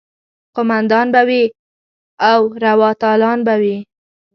قوماندانان به وي او روا تالان به وي.